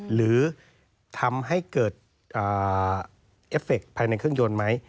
หรือทำให้เกิดเอฟเฟคภายในเครื่องยนต์ไหม